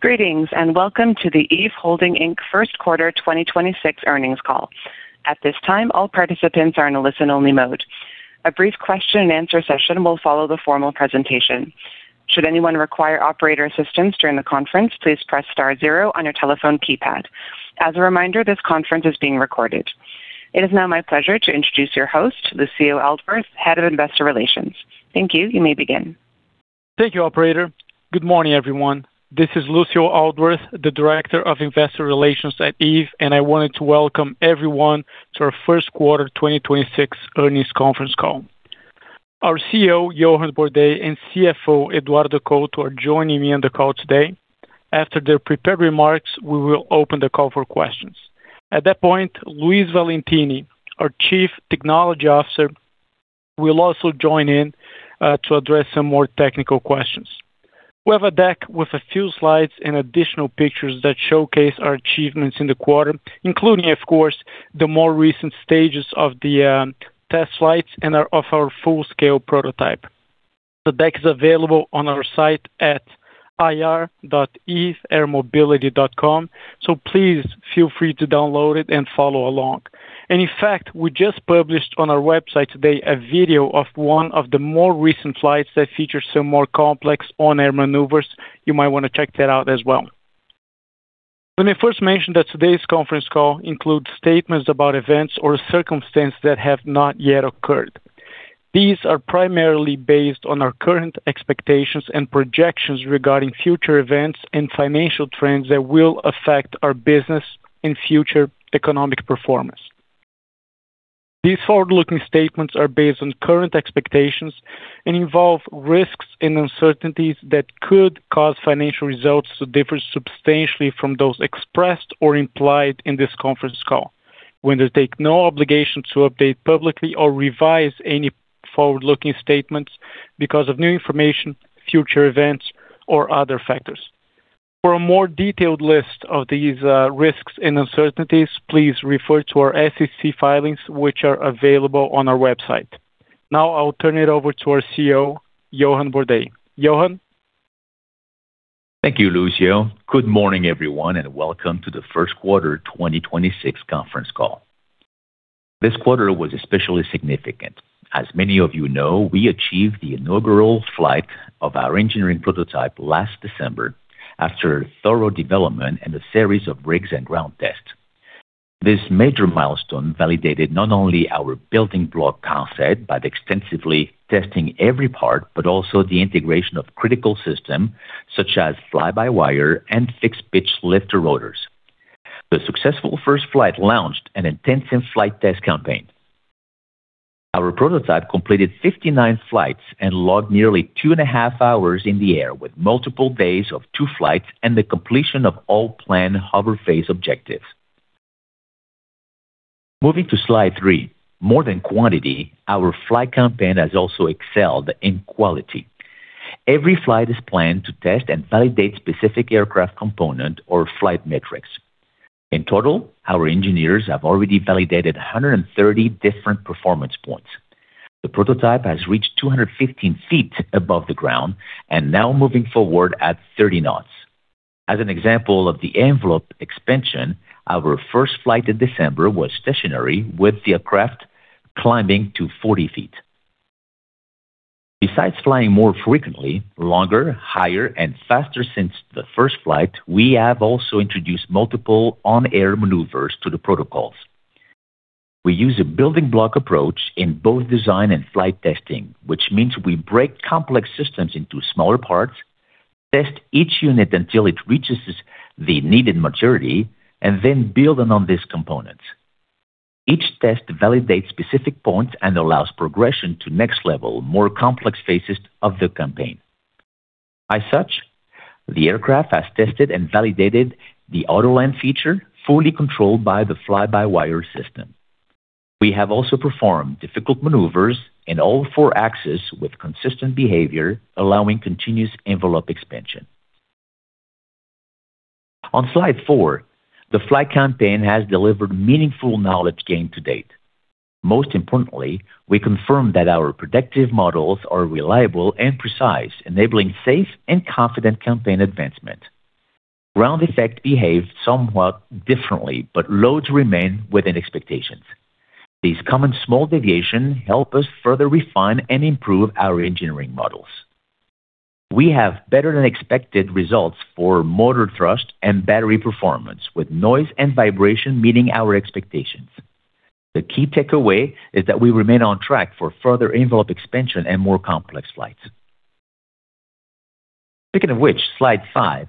Greetings, and welcome to the Eve Holding, Inc. First Quarter 2026 Earnings Call. At this time all participants are in a listen-only mode. A brief question-and-answer session will follow the formal presentation. Should anyone require operator assistance during the conference please press star zero on your telephone keypad. As a reminder this conference is being recorded. It is now my pleasure to introduce your host, Lucio Aldworth, Head of Investor Relations. Thank you, operator. Good morning, everyone. This is Lucio Aldworth, Director of Investor Relations at Eve, I wanted to welcome everyone to our first quarter 2026 earnings conference call. Our CEO, Johann Bordais, and CFO, Eduardo Couto, are joining me on the call today. After their prepared remarks, we will open the call for questions. At that point, Luiz Valentini, our Chief Technology Officer, will also join in to address some more technical questions. We have a deck with a few slides and additional pictures that showcase our achievements in the quarter, including, of course, the more recent stages of the test flights of our full-scale prototype. The deck is available on our site at ir.eveairmobility.com, please feel free to download it and follow along. In fact, we just published on our website today a video of one of the more recent flights that feature some more complex on-air maneuvers. You might want to check that out as well. Let me first mention that today's conference call includes statements about events or circumstances that have not yet occurred. These are primarily based on our current expectations and projections regarding future events and financial trends that will affect our business and future economic performance. These forward-looking statements are based on current expectations and involve risks and uncertainties that could cause financial results to differ substantially from those expressed or implied in this conference call. We undertake no obligation to update publicly or revise any forward-looking statements because of new information, future events, or other factors. For a more detailed list of these risks and uncertainties, please refer to our SEC filings, which are available on our website. I'll turn it over to our CEO, Johann Bordais. Johann? Thank you, Lucio. Good morning, everyone, and welcome to the first quarter 2026 conference call. This quarter was especially significant. As many of you know, we achieved the inaugural flight of our engineering prototype last December after thorough development and a series of rigs and ground tests. This major milestone validated not only our building block concept by extensively testing every part but also the integration of critical system such as fly-by-wire and fixed-pitch lifter rotors. The successful first flight launched an intensive flight test campaign. Our prototype completed 59 flights and logged nearly two and a half hours in the air with multiple days of two flights and the completion of all planned hover phase objectives. Moving to slide three, more than quantity, our flight campaign has also excelled in quality. Every flight is planned to test and validate specific aircraft component or flight metrics. In total, our engineers have already validated 130 different performance points. The prototype has reached 215 ft above the ground and now moving forward at 30 kn. As an example of the envelope expansion, our first flight in December was stationary with the aircraft climbing to 40 ft. Besides flying more frequently, longer, higher, and faster since the first flight, we have also introduced multiple on-air maneuvers to the protocols. We use a building block approach in both design and flight testing, which means we break complex systems into smaller parts, test each unit until it reaches the needed maturity, and then build in on these components. Each test validates specific points and allows progression to next level, more complex phases of the campaign. As such, the aircraft has tested and validated the autoland feature fully controlled by the fly-by-wire system. We have also performed difficult maneuvers in all four axes with consistent behavior, allowing continuous envelope expansion. On slide four, the flight campaign has delivered meaningful knowledge gain to date. Most importantly, we confirmed that our predictive models are reliable and precise, enabling safe and confident campaign advancement. Ground effect behaved somewhat differently, loads remain within expectations. These common small deviations help us further refine and improve our engineering models. We have better than expected results for motor thrust and battery performance, with noise and vibration meeting our expectations. The key takeaway is that we remain on track for further envelope expansion and more complex flights. Speaking of which, slide five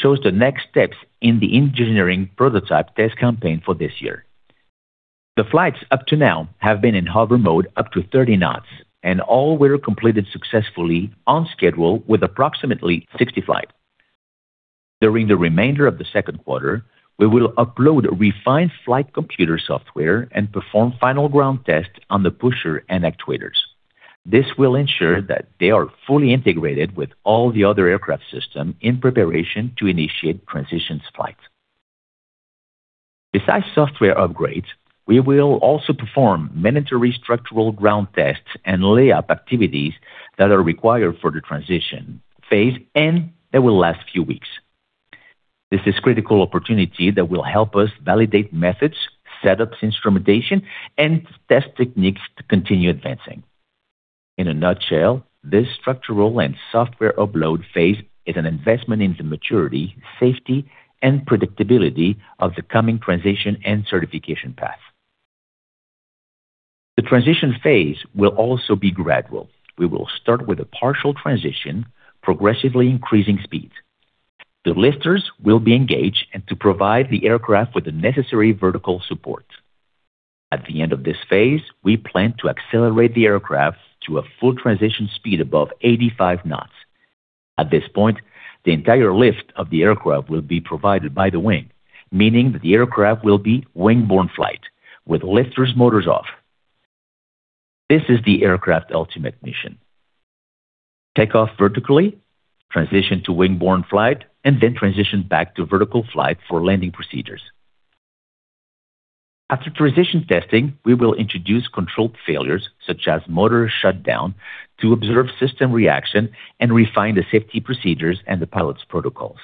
shows the next steps in the engineering prototype test campaign for this year. The flights up to now have been in hover mode up to 30 kn, all were completed successfully on schedule with approximately 60 flights. During the remainder of the second quarter, we will upload refined flight computer software and perform final ground tests on the pusher and actuators. This will ensure that they are fully integrated with all the other aircraft system in preparation to initiate transitions flights. Besides software upgrades, we will also perform mandatory structural ground tests and layup activities that are required for the transition phase and that will last few weeks. This is critical opportunity that will help us validate methods, setups, instrumentation, and test techniques to continue advancing. In a nutshell, this structural and software upload phase is an investment in the maturity, safety, and predictability of the coming transition and certification path. The transition phase will also be gradual. We will start with a partial transition, progressively increasing speed. The lifters will be engaged and to provide the aircraft with the necessary vertical support. At the end of this phase, we plan to accelerate the aircraft to a full transition speed above 85 kn. At this point, the entire lift of the aircraft will be provided by the wing, meaning that the aircraft will be wing-borne flight with lifters motors off. This is the aircraft ultimate mission. Take off vertically, transition to wing-borne flight, and then transition back to vertical flight for landing procedures. After transition testing, we will introduce controlled failures, such as motor shutdown, to observe system reaction and refine the safety procedures and the pilot's protocols.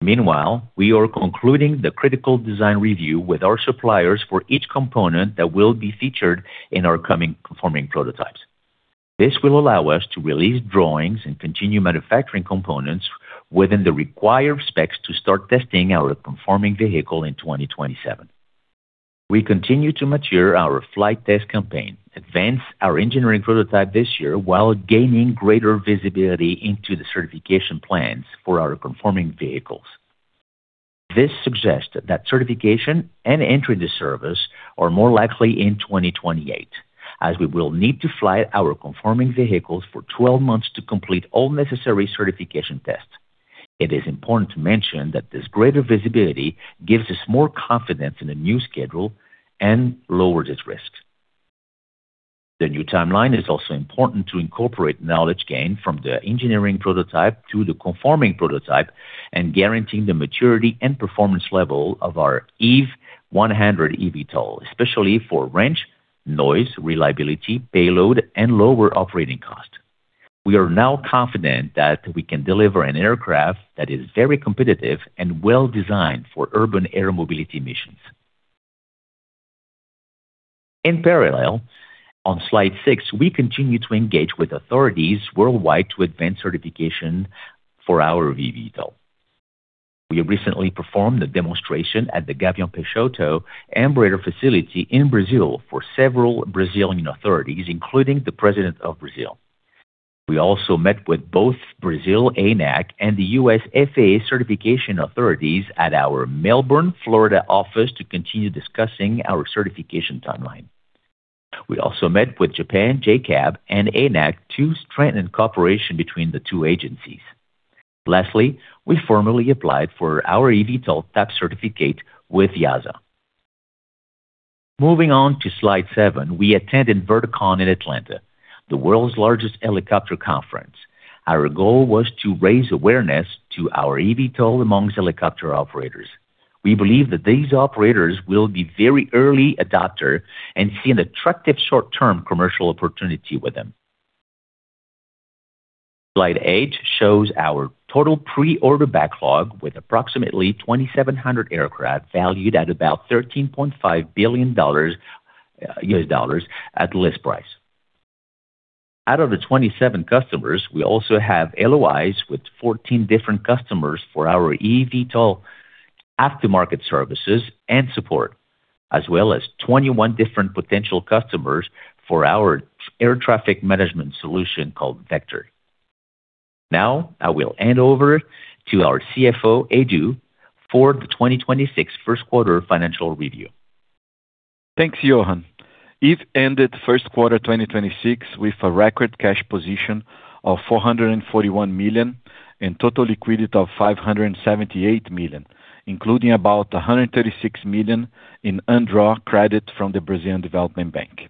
Meanwhile, we are concluding the critical design review with our suppliers for each component that will be featured in our coming conforming prototypes. This will allow us to release drawings and continue manufacturing components within the required specs to start testing our conforming vehicle in 2027. We continue to mature our flight test campaign, advance our engineering prototype this year while gaining greater visibility into the certification plans for our conforming vehicles. This suggests that certification and entry to service are more likely in 2028, as we will need to fly our conforming vehicles for 12 months to complete all necessary certification tests. It is important to mention that this greater visibility gives us more confidence in the new schedule and lowers its risks. The new timeline is also important to incorporate knowledge gained from the engineering prototype to the conforming prototype and guaranteeing the maturity and performance level of our Eve-100 eVTOL, especially for range, noise, reliability, payload, and lower operating cost. We are now confident that we can deliver an aircraft that is very competitive and well-designed for Urban Air Mobility missions. In parallel, on slide six, we continue to engage with authorities worldwide to advance certification for our eVTOL. We recently performed a demonstration at the Gavião Peixoto Embraer facility in Brazil for several Brazilian authorities, including the president of Brazil. We also met with both Brazil ANAC and the U.S. FAA certification authorities at our Melbourne, Florida office to continue discussing our certification timeline. We also met with Japan JCAB and ANAC to strengthen cooperation between the two agencies. Lastly, we formally applied for our eVTOL type certificate with EASA. Moving on to slide seven, we attended VERTICON 2026 in Atlanta, the world's largest helicopter conference. Our goal was to raise awareness to our eVTOL amongst helicopter operators. We believe that these operators will be very early adopter and see an attractive short-term commercial opportunity with them. Slide eight shows our total pre-order backlog with approximately 2,700 aircraft valued at about $13.5 billion at list price. Out of the 27 customers, we also have LOIs with 14 different customers for our eVTOL aftermarket services and support, as well as 21 different potential customers for our air traffic management solution called Vector. Now, I will hand over to our CFO, Edu, for the 2026 first quarter financial review. Thanks, Johann. Eve ended first quarter 2026 with a record cash position of $441 million and total liquidity of $578 million, including about $136 million in undrawn credit from the Brazilian Development Bank.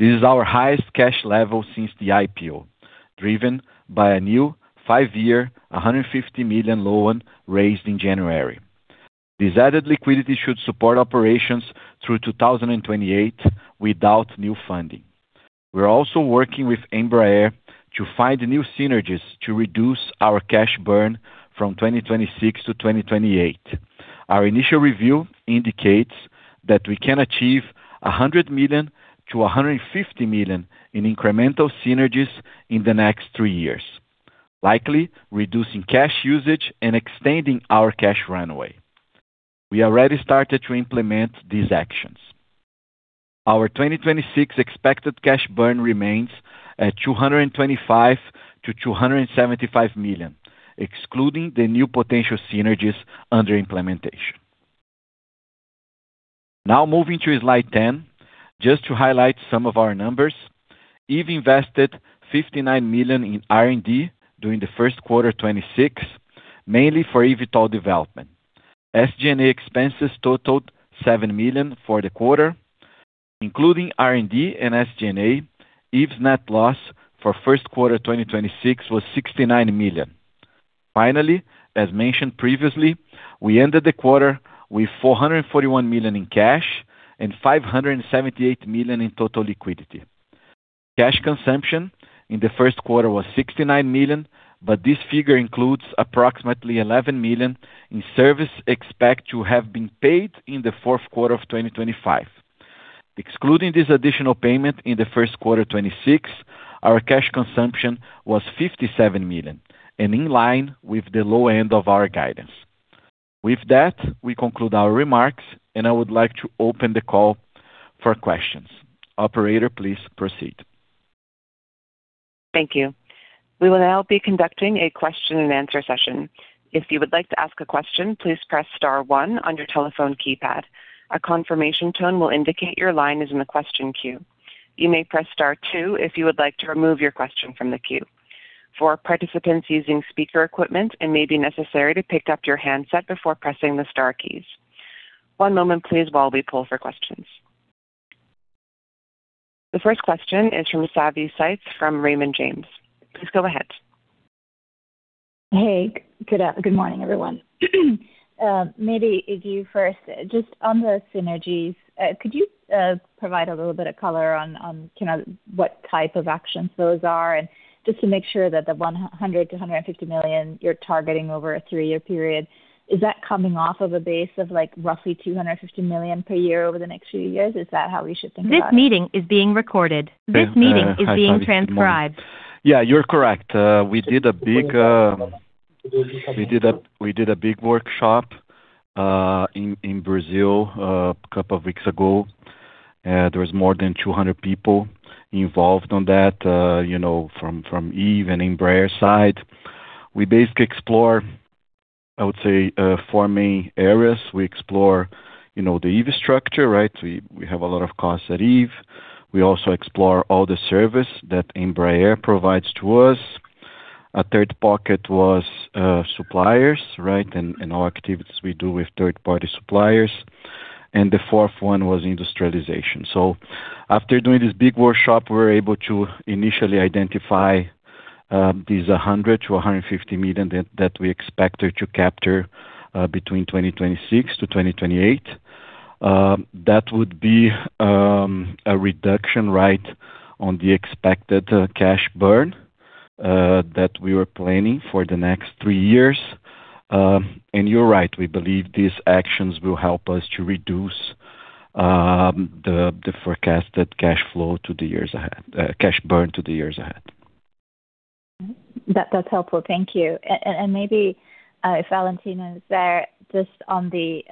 This is our highest cash level since the IPO, driven by a new five-year, $150 million loan raised in January. This added liquidity should support operations through 2028 without new funding. We're also working with Embraer to find new synergies to reduce our cash burn from 2026 to 2028. Our initial review indicates that we can achieve $100 million-$150 million in incremental synergies in the next three years, likely reducing cash usage and extending our cash runway. We already started to implement these actions. Our 2026 expected cash burn remains at $225 million-$275 million, excluding the new potential synergies under implementation. Moving to slide 10, just to highlight some of our numbers. Eve invested $59 million in R&D during the first quarter 2026, mainly for eVTOL development. SG&A expenses totaled $7 million for the quarter. Including R&D and SG&A, Eve's net loss for first quarter 2026 was $69 million. As mentioned previously, we ended the quarter with $441 million in cash and $578 million in total liquidity. Cash consumption in the first quarter was $69 million, but this figure includes approximately $11 million in service expected to have been paid in the fourth quarter of 2025. Excluding this additional payment in the first quarter 2026, our cash consumption was $57 million and in line with the low end of our guidance. With that, we conclude our remarks, and I would like to open the call for questions. Operator, please proceed. Thank you. We will now be conducting a question-and-answer session. If you would like to ask a question please press star one on your telephone keypad. A confimation tone will indicate your line is in the question queue. You may press star two if you would like to remove your question from the queue. For participants using speaker equipment it maybe necessary to pick up your handset before pressing the star keys. One moment please while we pull up the questions. The first question is from Savi Syth from Raymond James. Please go ahead. Hey. Good morning, everyone. Maybe [Edu] first just on the synergies, could you provide a little bit of color on kind of what type of actions those are? Just to make sure that the $100 million-$150 million you're targeting over a three-year period, is that coming off of a base of, like, roughly $250 million per year over the next few years? Is that how we should think about it? Yeah. Hi, Savi. Good morning. Yeah, you're correct. We did a big workshop in Brazil a couple of weeks ago. There was more than 200 people involved on that, you know, from Eve and Embraer side. We basically explore, I would say, four main areas. We explore, you know, the Eve structure, right? We have a lot of costs at Eve. We also explore all the service that Embraer provides to us. A third pocket was suppliers, right? All activities we do with third-party suppliers. The fourth one was industrialization. After doing this big workshop, we were able to initially identify these $100 million-$150 million that we expected to capture between 2026 to 2028. That would be a reduction, right, on the expected cash burn that we were planning for the next three years. You're right. We believe these actions will help us to reduce the forecasted cash flow to the years ahead, cash burn to the years ahead. That's helpful. Thank you. Maybe, if Valentini is there, just on the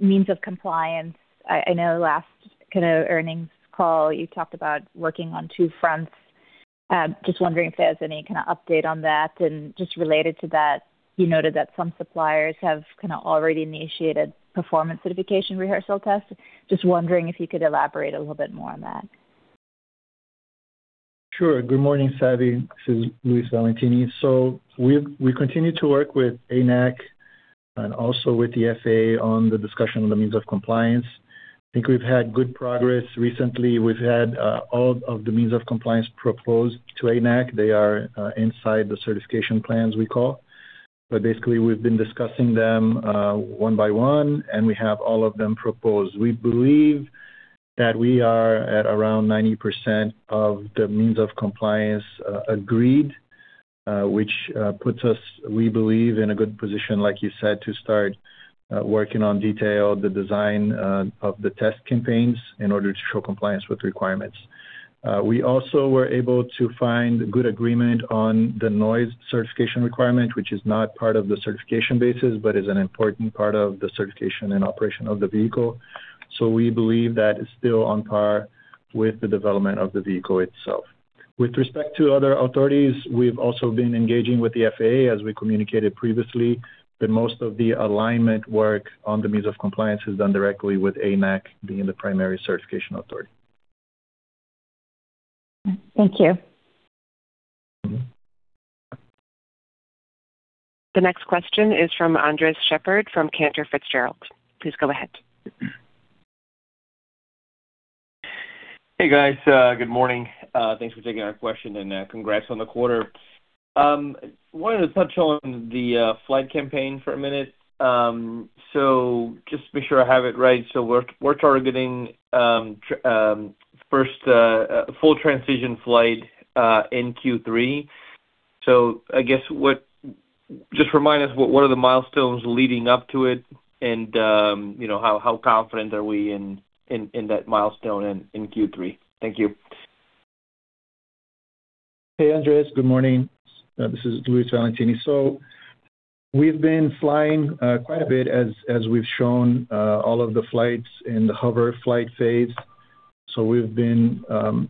means of compliance. I know last kinda earnings call you talked about working on two fronts. Just wondering if there's any kinda update on that. Just related to that, you noted that some suppliers have kinda already initiated performance certification rehearsal tests. Just wondering if you could elaborate a little bit more on that. Sure. Good morning, Savi. This is Luiz Valentini. We continue to work with ANAC and also with the FAA on the discussion on the means of compliance. I think we've had good progress recently. We've had all of the means of compliance proposed to ANAC. They are inside the certification plans we call. Basically, we've been discussing them one by one, and we have all of them proposed. We believe that we are at around 90% of the means of compliance agreed, which puts us, we believe, in a good position, like you said, to start working on detail, the design of the test campaigns in order to show compliance with requirements. We also were able to find good agreement on the noise certification requirement, which is not part of the certification basis, but is an important part of the certification and operation of the vehicle. We believe that is still on par with the development of the vehicle itself. With respect to other authorities, we've also been engaging with the FAA, as we communicated previously, but most of the alignment work on the means of compliance is done directly with ANAC being the primary certification authority. Thank you. The next question is from Andres Sheppard from Cantor Fitzgerald. Please go ahead. Hey, guys. Good morning. Thanks for taking our question, and congrats on the quarter. Wanted to touch on the flight campaign for a minute. Just to be sure I have it right, we're targeting first full transition flight in Q3. I guess just remind us what are the milestones leading up to it? You know, how confident are we in that milestone in Q3? Thank you. Hey, Andres. Good morning. This is Luiz Valentini. We've been flying quite a bit as we've shown all of the flights in the hover flight phase. We've been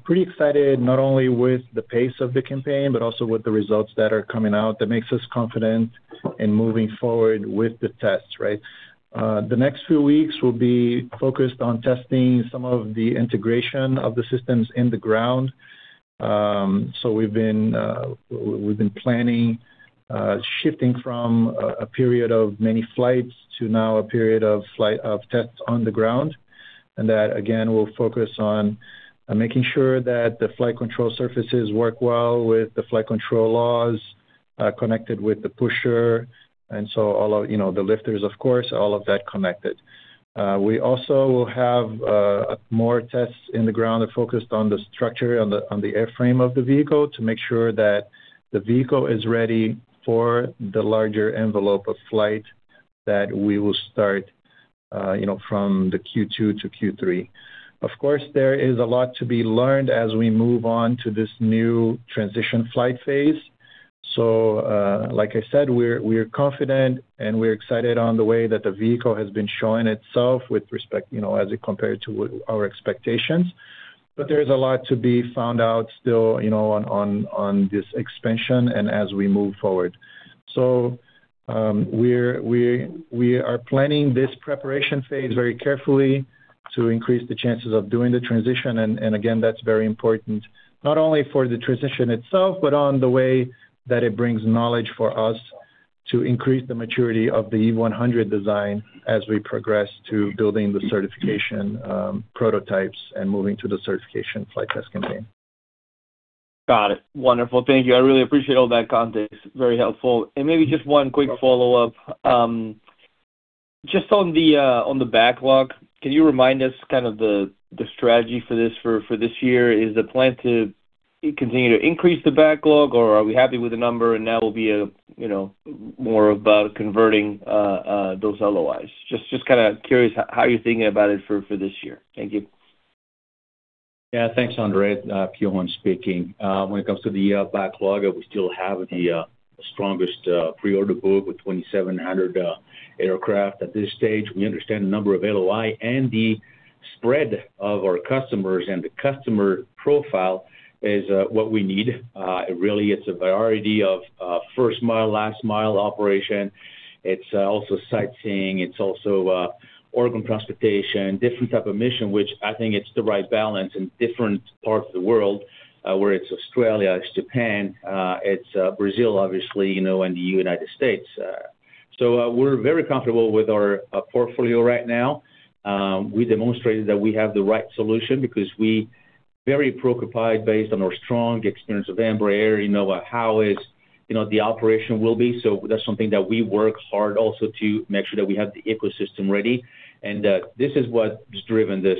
pretty excited not only with the pace of the campaign, but also with the results that are coming out that makes us confident in moving forward with the tests, right? The next few weeks will be focused on testing some of the integration of the systems in the ground. We've been planning shifting from a period of many flights to now a period of flight, of tests on the ground, and that, again, will focus on making sure that the flight control surfaces work well with the flight control laws connected with the pusher. All of, you know, the lifters, of course, all of that connected. We also will have more tests in the ground that focused on the structure on the airframe of the vehicle to make sure that the vehicle is ready for the larger envelope of flight that we will start, you know, from the Q2 to Q3. Of course, there is a lot to be learned as we move on to this new transition flight phase. Like I said, we're confident and we're excited on the way that the vehicle has been showing itself with respect, you know, as it compared to our expectations. There's a lot to be found out still on this expansion and as we move forward. We are planning this preparation phase very carefully to increase the chances of doing the transition. Again, that's very important, not only for the transition itself, but on the way that it brings knowledge for us to increase the maturity of the Eve-100 design as we progress to building the certification prototypes and moving to the certification flight test campaign. Got it. Wonderful. Thank you. I really appreciate all that context. Very helpful. Maybe just one quick follow-up. Just on the backlog, can you remind us kind of the strategy for this year? Is the plan to continue to increase the backlog, or are we happy with the number and that will be, you know, more about converting those LOIs? Just kinda curious how you're thinking about it for this year. Thank you. Thanks, Andres. Johann speaking. When it comes to the backlog, we still have the strongest pre-order book with 2,700 aircraft at this stage. We understand the number of LOI and the spread of our customers and the customer profile is what we need. It really, it's a variety of first mile, last mile operation. It's also sightseeing. It's also organ transportation, different type of mission, which I think it's the right balance in different parts of the world, where it's Australia, it's Japan, it's Brazil, obviously, you know, and the U.S. So, we're very comfortable with our portfolio right now. We demonstrated that we have the right solution because we very preoccupied based on our strong experience with Embraer, you know, how is, you know, the operation will be. That's something that we work hard also to make sure that we have the ecosystem ready. This is what's driven this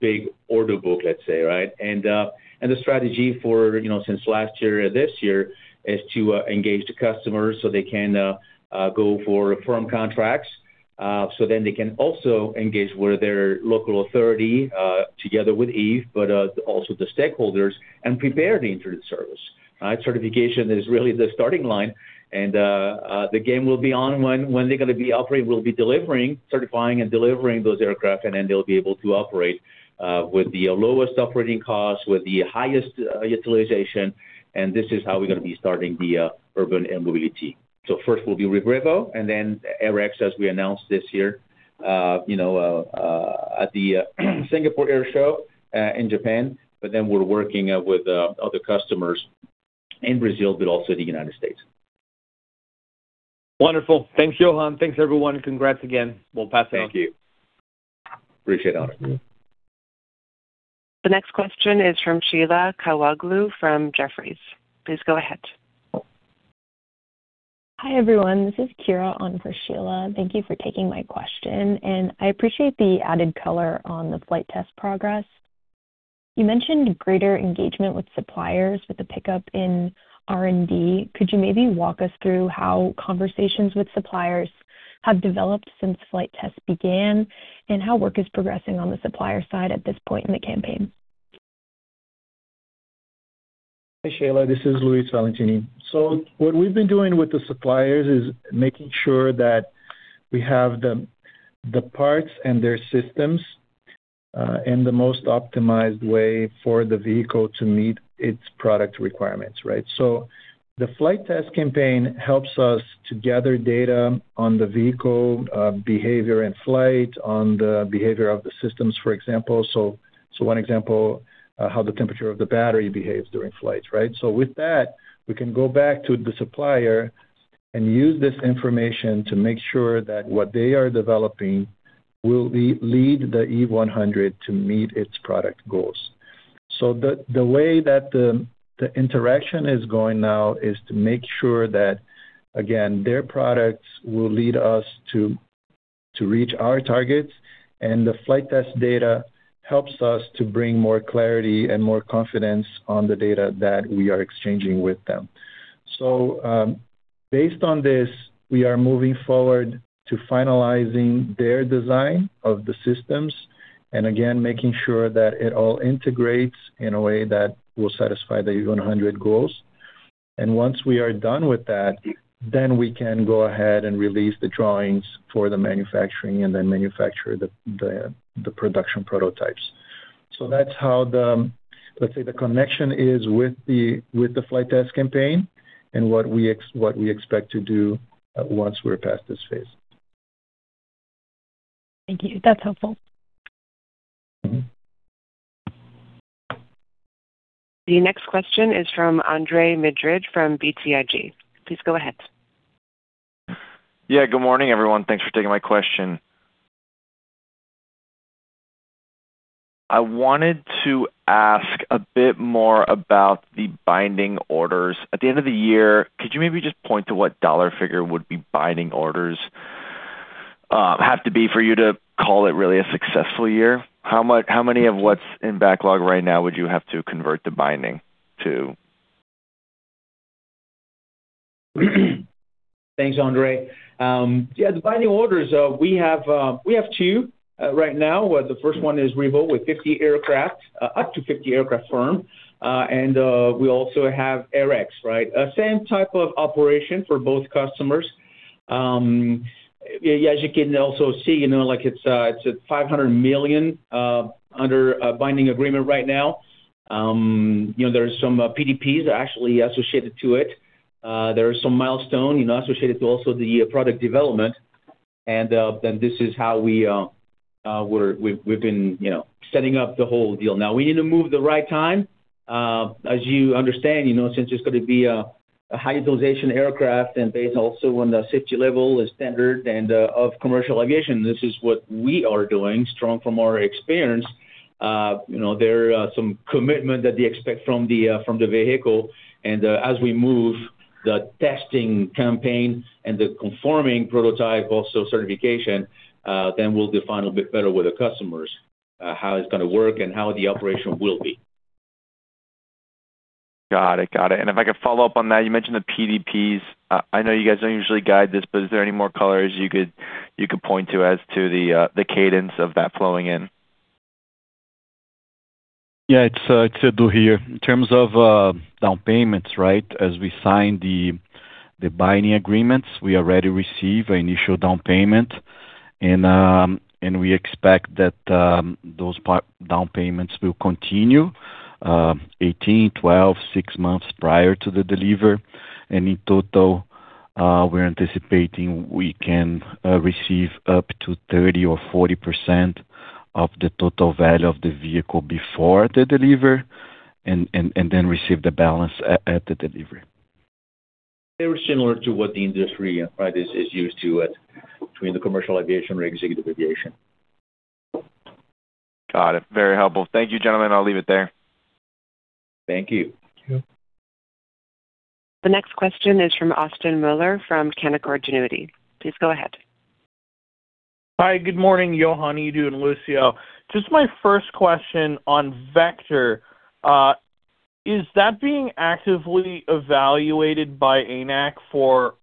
big order book, let's say, right? The strategy for, you know, since last year or this year is to engage the customers so they can go for firm contracts. They can also engage with their local authority together with Eve, also the stakeholders and prepare the internet service, right? Certification is really the starting line. The game will be on when they're gonna be operating. We'll be delivering, certifying and delivering those aircraft. Then they'll be able to operate with the lowest operating costs, with the highest utilization. This is how we're gonna be starting the urban air mobility. First will be Revo, and then AirX, as we announced this year, you know, at the Singapore Airshow in Japan. We're working with other customers in Brazil, but also the United States. Wonderful. Thanks, Johann. Thanks, everyone. Congrats again. We'll pass it on. Thank you. Appreciate it. The next question is from Sheila Kahyaoglu from Jefferies. Please go ahead. Hi, everyone. This is Kira on for Sheila. Thank you for taking my question, and I appreciate the added color on the flight test progress. You mentioned greater engagement with suppliers with a pickup in R&D. Could you maybe walk us through how conversations with suppliers have developed since flight tests began and how work is progressing on the supplier side at this point in the campaign? Hi, Sheila. This is Luiz Valentini. What we've been doing with the suppliers is making sure that we have the parts and their systems in the most optimized way for the vehicle to meet its product requirements, right? The flight test campaign helps us to gather data on the vehicle behavior in flight, on the behavior of the systems, for example. One example, how the temperature of the battery behaves during flights, right? With that, we can go back to the supplier and use this information to make sure that what they are developing will lead the Eve-100 to meet its product goals. The way that the interaction is going now is to make sure that, again, their products will lead us to reach our targets, and the flight test data helps us to bring more clarity and more confidence on the data that we are exchanging with them. Based on this, we are moving forward to finalizing their design of the systems, and again, making sure that it all integrates in a way that will satisfy the Eve-100 goals. Once we are done with that, then we can go ahead and release the drawings for the manufacturing and then manufacture the production prototypes. That's how the, let's say, the connection is with the flight test campaign and what we expect to do once we're past this phase. Thank you. That's helpful. The next question is from Andre Madrid from BTIG. Please go ahead. Yeah. Good morning, everyone. Thanks for taking my question. I wanted to ask a bit more about the binding orders. At the end of the year, could you maybe just point to what dollar figure would be binding orders have to be for you to call it really a successful year? How many of what's in backlog right now would you have to convert to binding to? Thanks, Andre. Yeah, the binding orders, we have two right now. The first one is Revo with 50 aircraft, up to 50 aircraft firm. We also have AirX, right? Same type of operation for both customers. As you can also see, you know, like, it's a $500 million under a binding agreement right now. You know, there are some PDPs actually associated to it. There are some milestone, you know, associated to also the product development. This is how we've been, you know, setting up the whole deal. Now, we need to move the right time. As you understand, you know, since it's gonna be a high utilization aircraft and based also on the safety level, the standard and of commercial aviation. This is what we are doing, strong from our experience. You know, there are some commitment that they expect from the from the vehicle. As we move the testing campaign and the conforming prototype, also certification, then we'll define a bit better with the customers, how it's gonna work and how the operation will be. Got it. If I could follow up on that, you mentioned the PDPs. I know you guys don't usually guide this, but is there any more colors you could point to as to the cadence of that flowing in? It's Edu here. In terms of down payments, right? As we sign the binding agreements, we already receive an initial down payment. We expect that those down payments will continue 18, 12, six months prior to the delivery. In total, we're anticipating we can receive up to 30% or 40% of the total value of the vehicle before the delivery and then receive the balance at the delivery. Very similar to what the industry practice is used to at between the commercial aviation or executive aviation. Got it. Very helpful. Thank you, gentlemen. I'll leave it there. Thank you. The next question is from Austin Moeller from Canaccord Genuity. Please go ahead. Hi, good morning, Johann, Edu, and Lucio. Just my first question on Vector. Is that being actively evaluated by ANAC for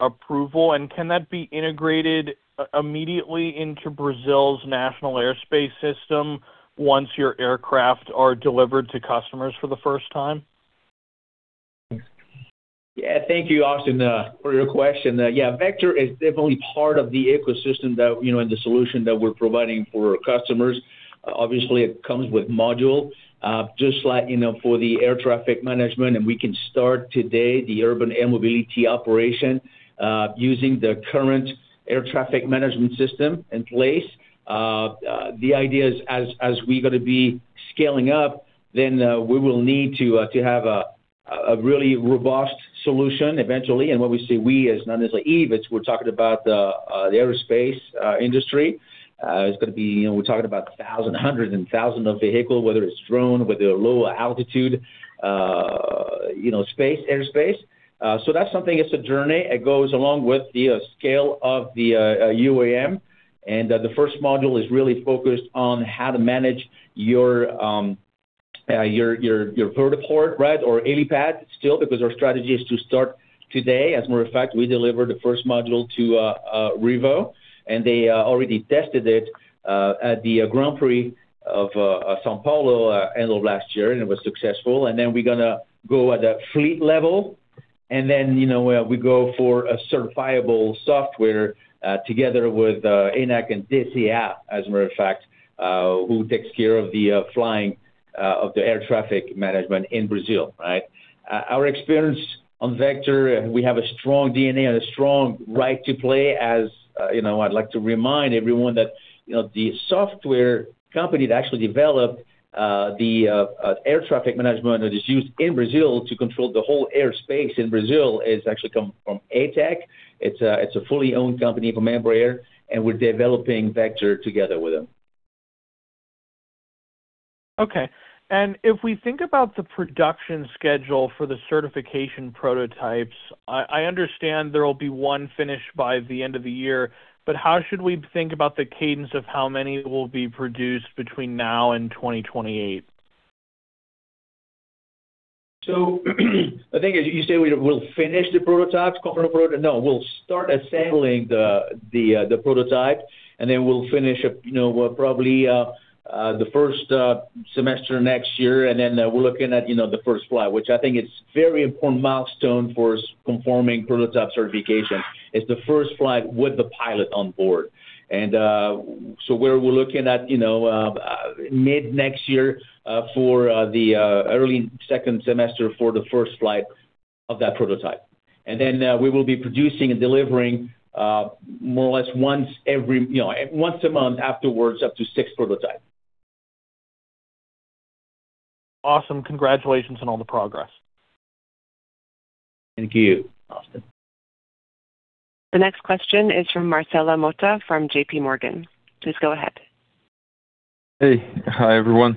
approval? Can that be integrated immediately into Brazil's National Airspace System once your aircraft are delivered to customers for the first time? Yeah. Thank you, Austin, for your question. Yeah, Vector is definitely part of the ecosystem that, you know, and the solution that we're providing for our customers. Obviously, it comes with module, just like, you know, for the air traffic management, and we can start today the urban air mobility operation, using the current air traffic management system in place. The idea is as we're gonna be scaling up, we will need to have a really robust solution eventually. When we say we, it's not necessarily Eve, it's we're talking about the aerospace industry. It's gonna be, you know, we're talking about thousand, hundreds and thousands of vehicle, whether it's drone, whether low altitude, you know, space, airspace. That's something, it's a journey. It goes along with the scale of the UAM. The first module is really focused on how to manage your vertiport, right? Or helipad still, because our strategy is to start today. As a matter of fact, we delivered the first module to Revo, and they already tested it at the Grand Prix of São Paulo end of last year, and it was successful. Then we're gonna go at a fleet level. Then, you know, we go for a certifiable software together with ANAC and DECEA, as a matter of fact, who takes care of the flying of the air traffic management in Brazil, right? Our experience on Vector, we have a strong DNA and a strong right to play as, you know, I'd like to remind everyone that, you know, the software company that actually developed the air traffic management that is used in Brazil to control the whole airspace in Brazil is actually coming from Atech. It's a fully owned company from Embraer, and we're developing Vector together with them. Okay. If we think about the production schedule for the certification prototypes, I understand there will be one finished by the end of the year, but how should we think about the cadence of how many will be produced between now and 2028? I think as you say, we'll start assembling the prototype, and then we'll finish up, you know, probably the first semester next year. Then we're looking at, you know, the first flight, which I think it's very important milestone for conforming prototype certification. It's the first flight with the pilot on board. We're looking at, you know, mid-next year for the early second semester for the first flight. Of that prototype. Then, we will be producing and delivering, more or less once every, you know, once a month afterwards, up to six prototypes. Awesome. Congratulations on all the progress. Thank you, Austin. The next question is from Marcelo Motta from JPMorgan. Please go ahead. Hey. Hi, everyone.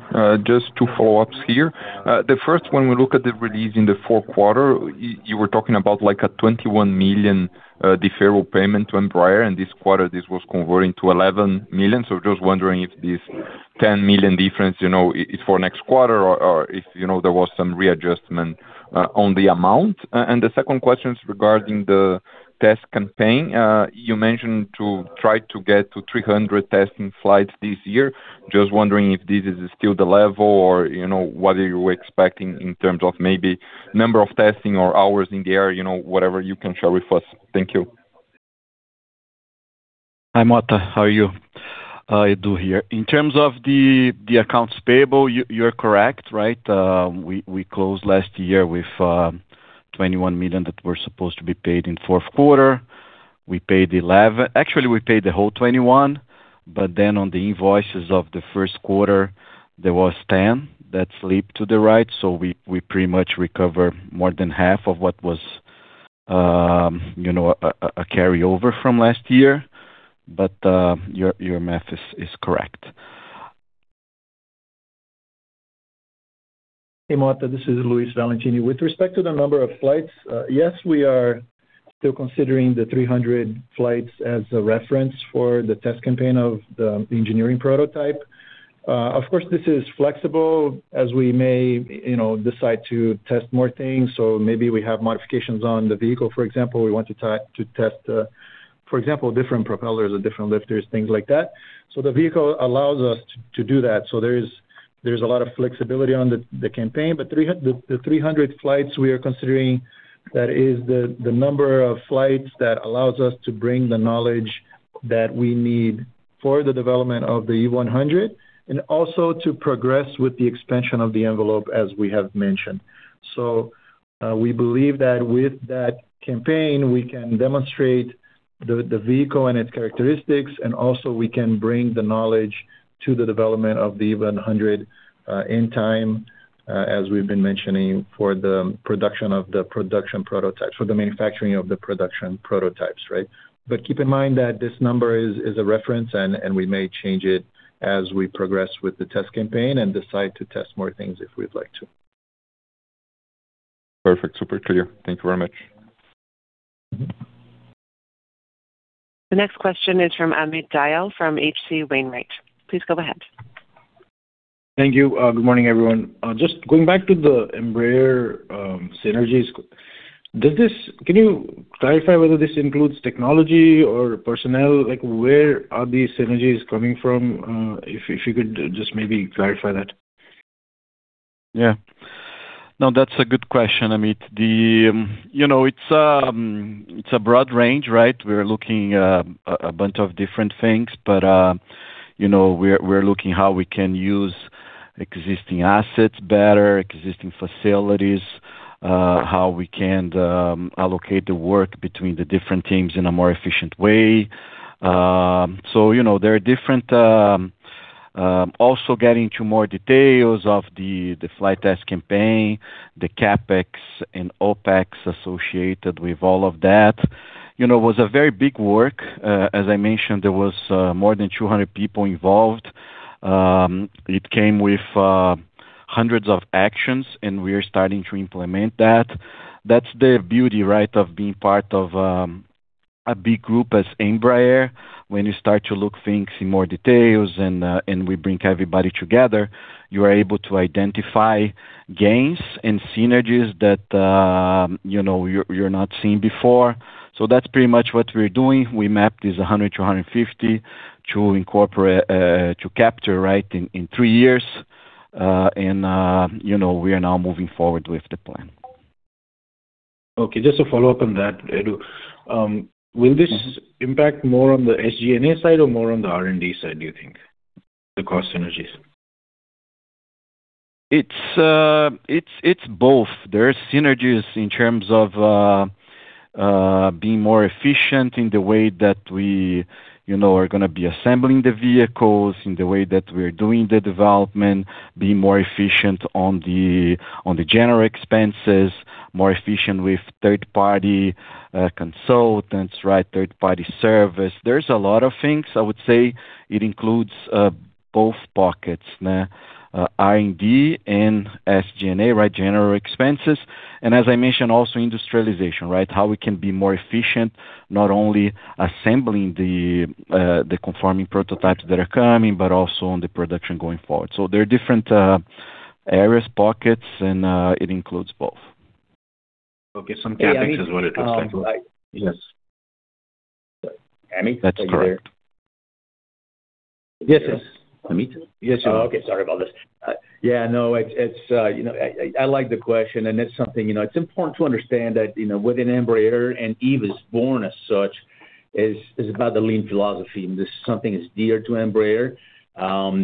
Just two follow-ups here. The first one, we look at the release in the fourth quarter. You were talking about, like, a $21 million deferral payment to Embraer, and this quarter this was converting to $11 million. Just wondering if this $10 million difference, you know, is for next quarter or if, you know, there was some readjustment on the amount. The second question is regarding the test campaign. You mentioned to try to get to 300 testing flights this year. Just wondering if this is still the level or, you know, what are you expecting in terms of maybe number of testing or hours in the air, you know, whatever you can share with us. Thank you. Hi, Motta. How are you? Edu here. In terms of the accounts payable, you're correct, right? We closed last year with $21 million that were supposed to be paid in fourth quarter. We paid $11 million. Actually, we paid the whole $21 million, but then on the invoices of the first quarter, there was $10 million that slipped to the right, so we pretty much recover more than half of what was, you know, a carryover from last year. Your math is correct. Hey, Motta, this is Luiz Valentini. With respect to the number of flights, yes, we are still considering the 300 flights as a reference for the test campaign of the engineering prototype. Of course, this is flexible as we may, you know, decide to test more things. Maybe we have modifications on the vehicle, for example. We want to test, for example, different propellers or different lifters, things like that. The vehicle allows us to do that, there is a lot of flexibility on the campaign. The 300 flights we are considering, that is the number of flights that allows us to bring the knowledge that we need for the development of the Eve-100 and also to progress with the expansion of the envelope, as we have mentioned. We believe that with that campaign, we can demonstrate the vehicle and its characteristics, and also we can bring the knowledge to the development of the Eve-100, in time, as we've been mentioning, for the manufacturing of the production prototypes, right? Keep in mind that this number is a reference and we may change it as we progress with the test campaign and decide to test more things if we'd like to. Perfect. Super clear. Thank you very much. The next question is from Amit Dayal from H.C. Wainwright. Please go ahead. Thank you. Good morning, everyone. Just going back to the Embraer synergies, Can you clarify whether this includes technology or personnel? Like, where are these synergies coming from? If you could just maybe clarify that. Yeah. No, that's a good question, Amit. You know, it's a broad range, right? We're looking a bunch of different things. You know, we're looking how we can use existing assets better, existing facilities, how we can allocate the work between the different teams in a more efficient way. You know, there are different. Also getting to more details of the flight test campaign, the CapEx and OpEx associated with all of that. You know, it was a very big work. As I mentioned, there was more than 200 people involved. It came with hundreds of actions, and we are starting to implement that. That's the beauty, right, of being part of a big group as Embraer. When you start to look things in more details and we bring everybody together, you are able to identify gains and synergies that, you know, you're not seeing before. That's pretty much what we're doing. We mapped these $100 million-$150 million to incorporate, to capture, right, in three years. You know, we are now moving forward with the plan. Just to follow up on that, Edu. Will this impact more on the SG&A side or more on the R&D side, do you think, the cost synergies? It's both. There are synergies in terms of being more efficient in the way that we, you know, are gonna be assembling the vehicles, in the way that we're doing the development, being more efficient on the general expenses, more efficient with third-party consultants, right? Third-party service. There's a lot of things. I would say it includes both pockets, R&D and SG&A, right? General expenses. As I mentioned, also industrialization, right? How we can be more efficient, not only assembling the conforming prototypes that are coming, but also on the production going forward. There are different areas, pockets, and it includes both. Okay. Some CapEx is what it looks like. Amit, are you there? That's correct. yes. Amit? Yes, Amit. Oh, okay. Sorry about this. Yeah, no, it's, you know I like the question, and it's something You know, it's important to understand that, you know, within Embraer, and Eve is born as such. Is about the lean philosophy. This is something that's dear to Embraer.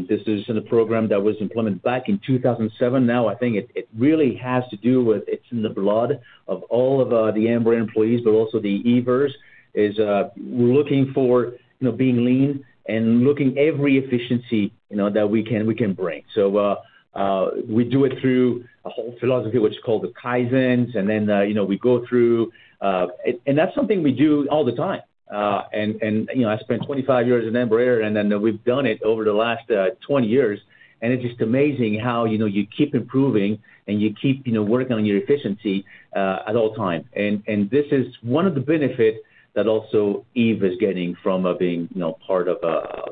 This is in a program that was implemented back in 2007. I think it really has to do with it's in the blood of all of the Embraer employees, but also the Eveers, is, we're looking for, you know, being lean and looking every efficiency, you know, that we can bring. We do it through a whole philosophy, which is called the Kaizen. Then, you know, we go through. That's something we do all the time. You know, I spent 25 years in Embraer, and then we've done it over the last 20 years, and it's just amazing how, you know, you keep improving and you keep, you know, working on your efficiency at all time. This is one of the benefit that also Eve is getting from, being, you know, part of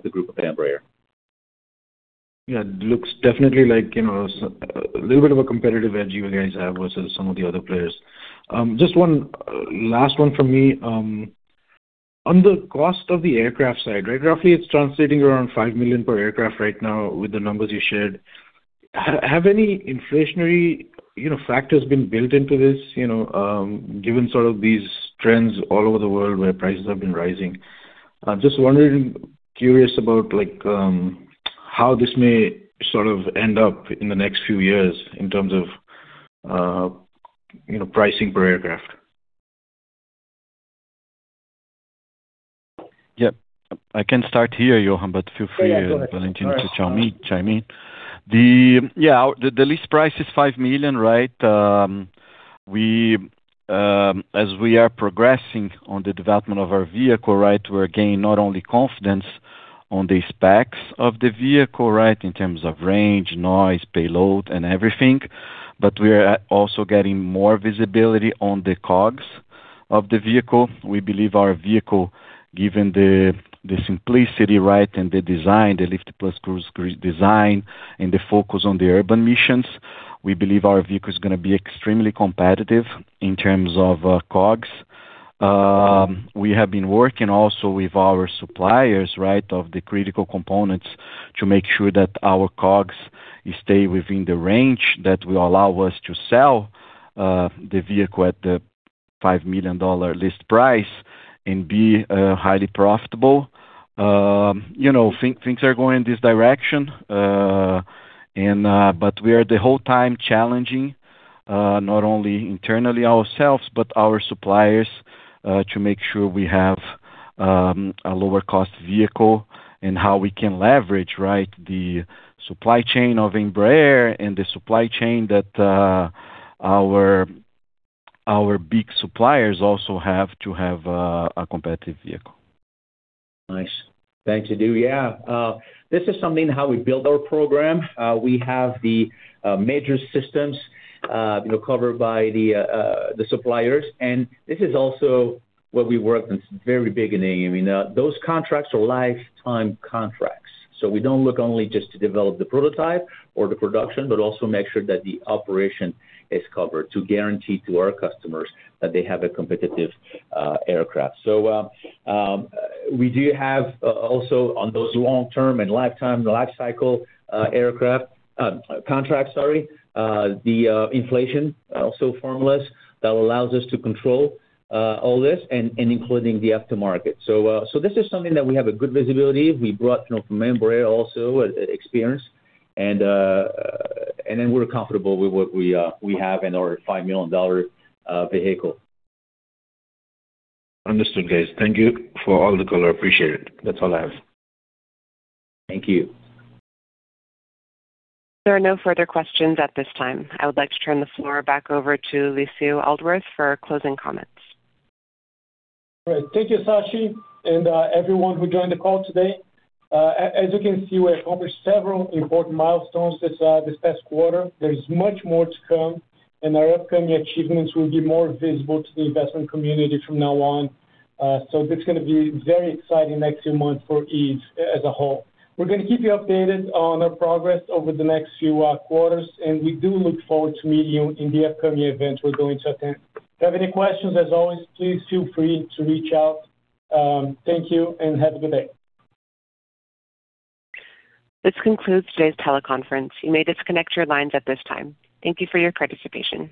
the group of Embraer. Yeah. It looks definitely like, you know, a little bit of a competitive edge you guys have versus some of the other players. Just one last one from me. On the cost of the aircraft side, right, roughly it's translating around $5 million per aircraft right now with the numbers you shared. Have any inflationary, you know, factors been built into this, you know, given sort of these trends all over the world where prices have been rising? I'm just wondering, curious about like, how this may sort of end up in the next few years in terms of, you know, pricing per aircraft. Yeah. I can start here, Johann, but feel free. Yeah, yeah. Go ahead Valentini to chime in. The list price is $5 million, right? We, as we are progressing on the development of our vehicle, we're gaining not only confidence on the specs of the vehicle, in terms of range, noise, payload, and everything, but we are also getting more visibility on the COGS of the vehicle. We believe our vehicle, given the simplicity, and the design, the lift plus cruise design, and the focus on the urban missions, we believe our vehicle is gonna be extremely competitive in terms of COGS. We have been working also with our suppliers of the critical components to make sure that our COGS stay within the range that will allow us to sell the vehicle at the $5 million list price and be highly profitable. You know, things are going this direction. We are the whole time challenging, not only internally ourselves, but our suppliers, to make sure we have a lower cost vehicle and how we can leverage, right, the supply chain of Embraer and the supply chain that our big suppliers also have to have a competitive vehicle. Nice. Thank you. Yeah, this is something how we build our program. We have the major systems, you know, covered by the suppliers. This is also what we worked on very big in Eve. I mean, those contracts are lifetime contracts. We don't look only just to develop the prototype or the production, but also make sure that the operation is covered to guarantee to our customers that they have a competitive aircraft. We do have also on those long-term and lifetime, the life cycle aircraft contract, sorry, the inflation also formulas that allows us to control all this and including the aftermarket. This is something that we have a good visibility. We brought, you know, from Embraer also, experience, and then we're comfortable with what we have in our $5 million vehicle. Understood, guys. Thank you for all the color. Appreciate it. That's all I have. Thank you. There are no further questions at this time. I would like to turn the floor back over to Lucio Aldworth for closing comments. Right. Thank you, [Sashi], and everyone who joined the call today. As you can see, we have accomplished several important milestones this past quarter. There is much more to come. Our upcoming achievements will be more visible to the investment community from now on. It's going to be very exciting next few months for Eve as a whole. We're going to keep you updated on our progress over the next few quarters. We do look forward to meeting you in the upcoming events we're going to attend. If you have any questions, as always, please feel free to reach out. Thank you. Have a good day. This concludes today's teleconference. You may disconnect your lines at this time. Thank you for your participation.